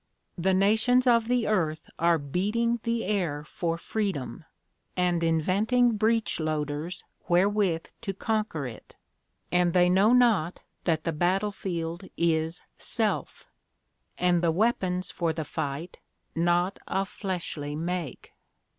The nations of the earth are beating the air for freedom, and inventing breech loaders wherewith to conquer it, and they know not that the battlefield is self, and the weapons for the fight not of fleshly make.